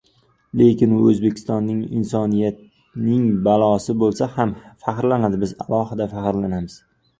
Lekin u O‘zbekistonning, Insoniyatning bolasi bo‘lsa, hamma faxrlanadi, biz alohida faxrlanamiz.